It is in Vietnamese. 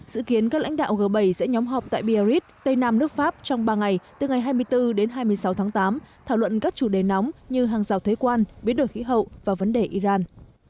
dự kiến các lãnh đạo g bảy sẽ nhóm họp tại biarritz tây nam nước pháp trong ba ngày từ ngày hai mươi bốn đến hai mươi sáu tháng tám thảo luận các chủ đề nóng như hàng rào thế quan biến đổi khí hậu và vấn đề iran